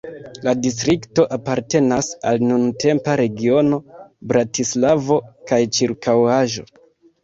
La distrikto apartenas al nuntempa regiono Bratislavo kaj ĉirkaŭaĵo.